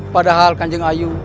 padahal kanjeng ayu